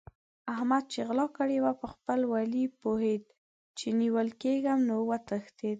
احمد چې غلا کړې وه؛ په خپل ولي پوهېد چې نيول کېږم نو وتښتېد.